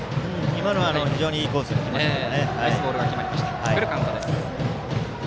今のは非常にいいコースに来ましたね。